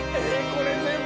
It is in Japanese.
これ全部！？